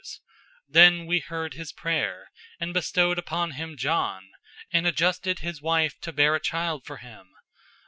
P: Then We heard his prayer, and bestowed upon him John, and adjusted his wife (to bear a child) for him.